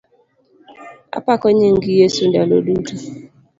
Apako nying Yesu ndalo duto.